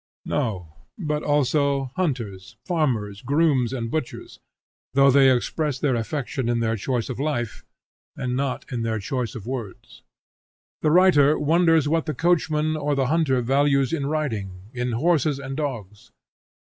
No; but also hunters, farmers, grooms, and butchers, though they express their affection in their choice of life and not in their choice of words. The writer wonders what the coachman or the hunter values in riding, in horses and dogs.